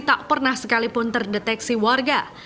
tak pernah sekalipun terdeteksi warga